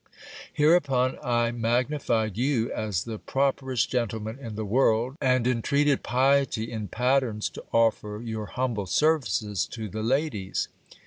Hereupon I magnified you as the properest gentleman in the world, and intreated piety in pattens to offer your humble services to the ladies.